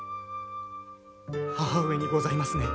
母上にございますね？